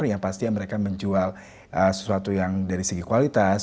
yang pasti mereka menjual sesuatu yang dari segi kualitas